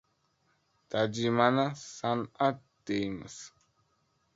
Tarjimani — san’at deymiz.